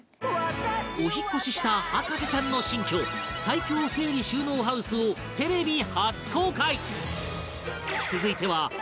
お引っ越しした博士ちゃんの新居最強整理収納ハウスをテレビ初公開！